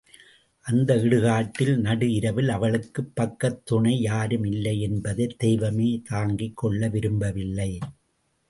அந்த இடுகாட்டில் நடு இரவில் அவளுக்குப் பக்கத்துணை யாரும் இல்லை என்பதைத் தெய்வமே தாங்கிக் கொள்ள விரும்பவில்லை.